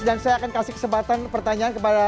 dan saya akan kasih kesempatan pertanyaan kepada